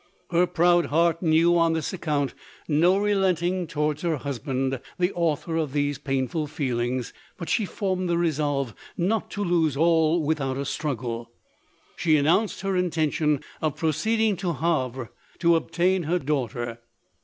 Her proud heart knew, on this account, no relenting towards her husband, the author of these painful feelings, but she formed the resolve not to lose all with out a struggle. She announced her intention of proceeding to Havre to obtain her daughter.